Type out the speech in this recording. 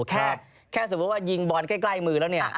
แค่สมมุติว่ายิงบอลใกล้มือแล้วเนี่ย